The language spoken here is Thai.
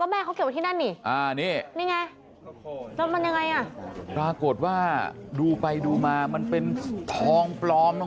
ลูกกับหัวก็เพิ่งรู้นะว่าทองปลอมนะ